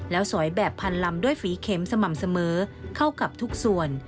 แล้วสอยแบบพันลำด้วยฝีเข็มสม่ำเสมอเข้ากับทุกส่วน